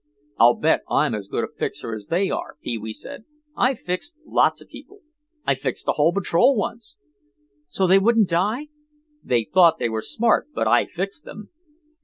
"I bet I'm as good a fixer as they are," Pee wee said; "I fixed lots of people; I fixed a whole patrol once." "So they wouldn't die?" "They thought they were smart but I fixed them."